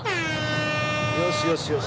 よしよしよし。